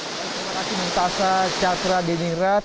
terima kasih mbak tasha chakra diningrat